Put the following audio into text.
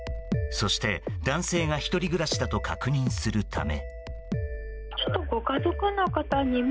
そして、男性が１人暮らしだと確認するため。